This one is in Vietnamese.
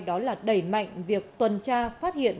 đó là đẩy mạnh việc tuần tra phát hiện